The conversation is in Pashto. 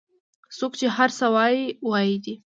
څوک چې هر څه وایي وایي دي